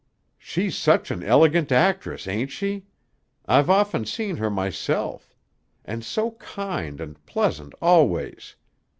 She's such an elegant actress, ain't she? I've often seen her myself. And so kind and pleasant always.